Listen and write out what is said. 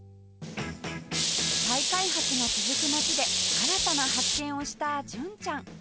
再開発が続く街で新たな発見をした純ちゃん